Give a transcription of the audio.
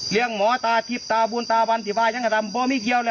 เลี้ยงหมอตาทิั่บตาบูนตาบันติวะยังทำบ่ไม่เกียวล่ะ